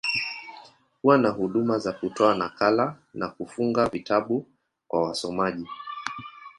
Huwa na huduma za kutoa nakala, na kufunga vitabu kwa wasomaji.